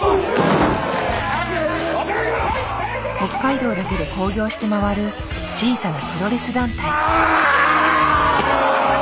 北海道だけで興行して回る小さなプロレス団体。